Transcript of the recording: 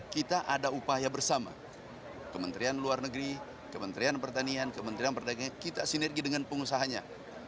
kita ada upaya bersama kementerian luar negeri kementerian pertanian kementerian pertanian kita sinergi dengan pengusahanya